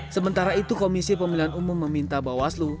sementara itu komisi pemilihan umum meminta bawaslu